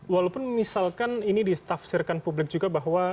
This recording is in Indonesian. walaupun misalkan ini ditafsirkan publik juga bahwa